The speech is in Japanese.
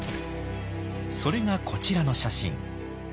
それがこちらの写真。